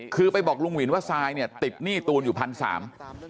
คือไปบอกลุงวินว่าซายเนี่ยติดหนี้ตูนอยู่พันสาม